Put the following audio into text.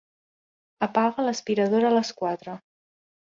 Apaga l'aspiradora a les quatre.